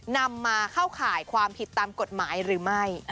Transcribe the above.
นำมาเข้าข่ายความผิดตามกฎหมายหรือไม่